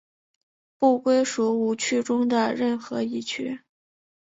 不归属五趣中的任何一趣。